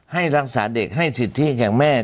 ให้รักษาเด็กให้สิทธิอย่างแม่